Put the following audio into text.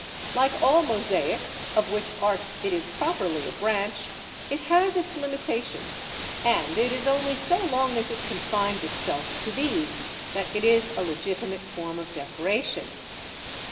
Like all mosaic, of which art it is properly a branch, it has its limitations; and it is only so long as it confines itself to these that it is a legitimate form of decoration.